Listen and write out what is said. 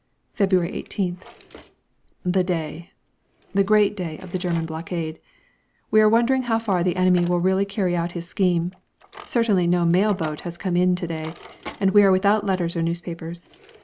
February 18th. The day the great day of the German blockade. We are wondering how far the enemy will really carry out his scheme. Certainly no mail boat has come in to day, and we are without letters or newspapers.